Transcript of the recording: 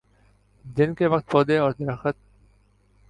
دن کے وقت پودے اور درخت